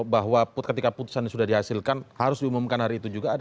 bahwa ketika putusan ini sudah dihasilkan harus diumumkan hari itu juga ada